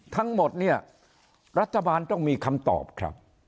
ทั้งหมดเนี่ยรัฐบาลต้องมีคำตอบครับ